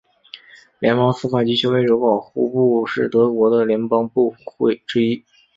联邦司法及消费者保护部是德国的联邦部会之一。